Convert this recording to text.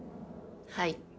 はい。